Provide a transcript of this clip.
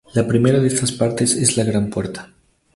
La primera de estas partes es la gran puerta.